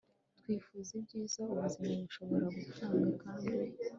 twifurije ibyiza ubuzima bushobora gutanga kandi